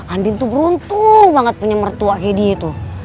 andin tuh beruntung banget punya mertua kayak dia tuh